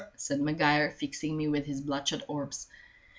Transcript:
_" said Maguire, fixing me with his bloodshot orbs.